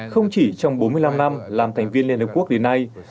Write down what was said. không chỉ trong bốn mươi năm năm làm thành viên liên hợp quốc đến nay